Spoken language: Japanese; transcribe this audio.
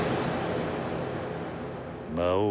あ！